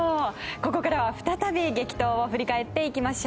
ここからは再び激闘を振り返っていきましょう。